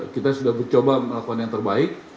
kita sudah mencoba melakukan yang terbaik